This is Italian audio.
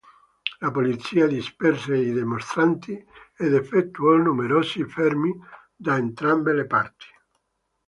La polizia disperse i dimostranti ed effettuò numerosi fermi da entrambe le parti.